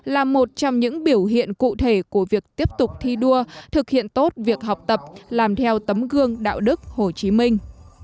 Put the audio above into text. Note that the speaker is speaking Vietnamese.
là một trong những biểu hiện cụ thể của việc tiếp tục thi đua thực hiện tốt việc học tập làm theo tấm gương đạo đức hồ chí minh